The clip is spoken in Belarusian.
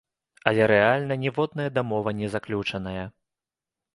Але рэальна ніводная дамова не заключаная.